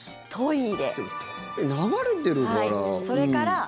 流れてるから。